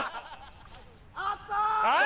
あった！